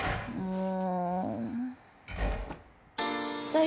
うん。